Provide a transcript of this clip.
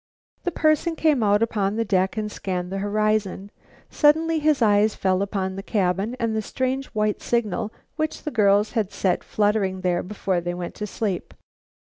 The person came out upon the deck and scanned the horizon. Suddenly his eyes fell upon the cabin and the strange white signal which the girls had set fluttering there before they went to sleep.